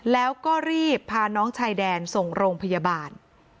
แล้วก็รีบพาน้องชายแดนส่งโรงพยาบาล